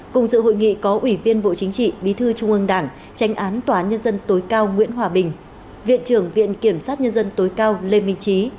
cùng dự hội nghị có ủy viên bộ chính trị bí thư trung ương đảng tranh án tòa nhân dân tối cao nguyễn hòa bình viện trưởng viện kiểm sát nhân dân tối cao lê minh trí